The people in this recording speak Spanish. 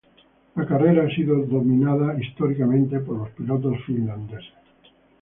La carrera ha sido dominada históricamente por los pilotos finlandeses.